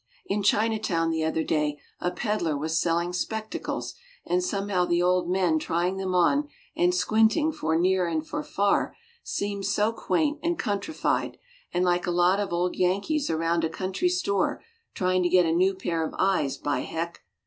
In Chinatown the other day a peddler was selling spectacles and somehow the old men trying them on and squinting for "near" and for "far," seemed so quaint and countrified and like a lot of old Yankees around a country store trying to get a "new pair of eyes, by Heck."